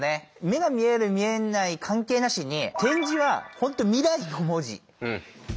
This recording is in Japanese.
目が見える見えない関係なしに点字は本当未来の文字だと思いますわ。